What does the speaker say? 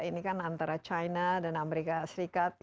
ini kan antara china dan amerika serikat